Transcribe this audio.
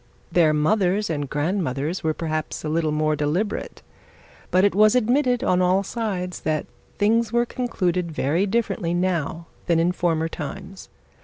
Their mothers and grandmothers were perhaps a little more deliberate; but, it was admitted on all sides that things were conducted very differently now that in former times.